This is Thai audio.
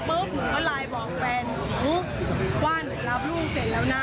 หนูก็ไลน์บอกแฟนหนูปุ๊บว่าหนูรับลูกเสร็จแล้วนะ